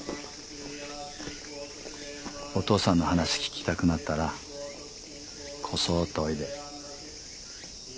お父さんの話聞きたくなったらこそーっとおいで。